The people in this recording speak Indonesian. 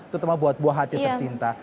terutama buat buah hati tercinta